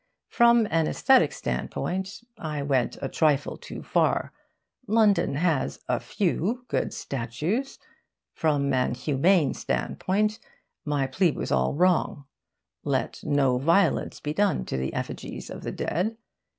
From an aesthetic standpoint, I went a trifle too far: London has a few good statues. From an humane standpoint, my plea was all wrong. Let no violence be done to the effigies of the dead.